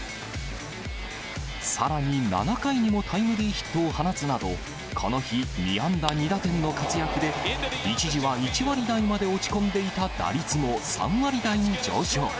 さらに７回にもタイムリーヒットを放つなど、この日、２安打２打点の活躍で、一時は１割台まで落ち込んでいた打率も、３割台に上昇。